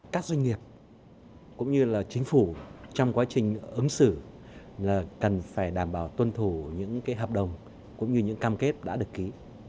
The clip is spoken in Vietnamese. các doanh nghiệp cũng như là chính phủ trong quá trình ứng xử là cần phải đảm bảo tuân thủ những hợp đồng cũng như những cam kết đã được ký